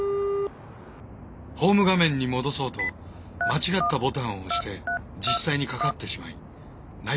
ホーム画面に戻そうと間違ったボタンを押して実際にかかってしまい内心